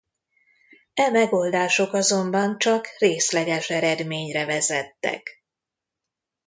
E megoldások azonban csak részleges eredményre vezettek.